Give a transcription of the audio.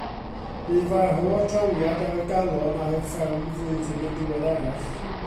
Bu farw o drawiad ar y galon ar y fferm flwyddyn yn ddiweddarach.